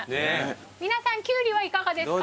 皆さんキュウリはいかがですか？